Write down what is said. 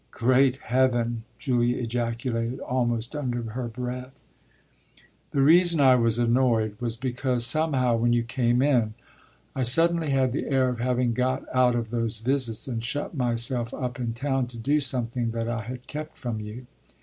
"Great heaven!" Julia ejaculated, almost under her breath. "The reason I was annoyed was because, somehow, when you came in, I suddenly had the air of having got out of those visits and shut myself up in town to do something that I had kept from you.